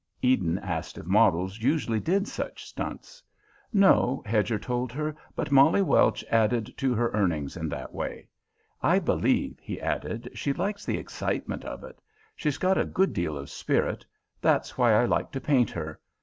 Eden asked if models usually did such stunts. No, Hedger told her, but Molly Welch added to her earnings in that way. "I believe," he added, "she likes the excitement of it. She's got a good deal of spirit. That's why I like to paint her.